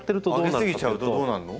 あげ過ぎちゃうとどうなるの？